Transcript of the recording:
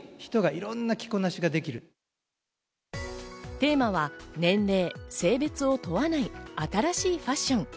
テーマは年齢、性別を問わない新しいファッション。